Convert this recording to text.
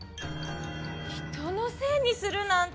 ひとのせいにするなんて。